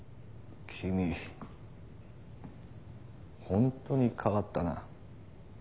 君ホントに変わったな。